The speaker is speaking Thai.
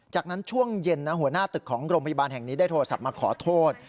จากนั้นช่วงเย็นหัวหน้าตึกของโรงพยาบาลแห่งนี้ได้โทรศัพท์มาขอโทษ